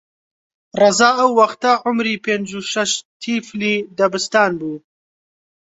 ڕەزا ئەو وەختە عومری پێنج و شەش تیفلی دەبستان بوو